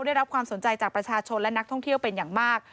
ได้รับความสนใจจากประชาชนและนักท่องเที่ยวเป็นอย่างมาก